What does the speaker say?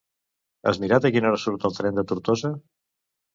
Has mirat a quina hora surt el tren de Tortosa?